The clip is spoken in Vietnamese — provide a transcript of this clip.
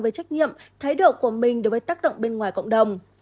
về trách nhiệm thái độ của mình đối với tác động bên ngoài cộng đồng